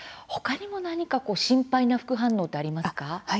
ほかにも何か心配な副反応ってありますか？